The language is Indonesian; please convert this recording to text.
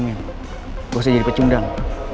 lo bisa jadi pecundang